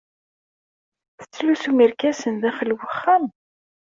Tettlusum irkasen daxel n uxxam?